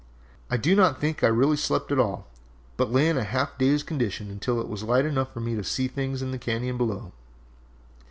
I do not think I really slept at all, but lay in a half dazed condition until it was light enough for me to see things in the cañon below.